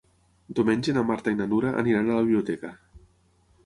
Diumenge na Marta i na Nura aniran a la biblioteca.